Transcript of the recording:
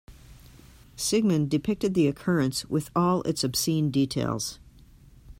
Sigmund depicted the occurrence with all its obscene details.